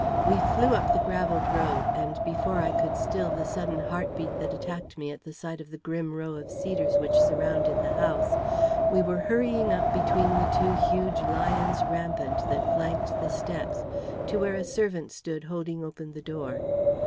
We flew up the gravelled road, and before I could still the sudden heart beat that attacked me at sight of the grim row of cedars which surrounded the house, we were hurrying up between the two huge lions rampant that flanked the steps, to where a servant stood holding open the door.